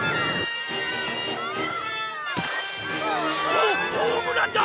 ホホームランだ！